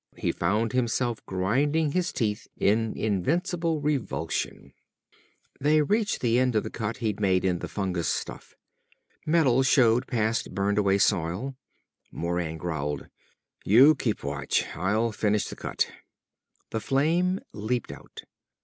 He found himself grinding his teeth in invincible revulsion. They reached the end of the cut he'd made in the fungus stuff. Metal showed past burned away soil. Moran growled; "You keep watch. I'll finish the cut." The flame leaped out.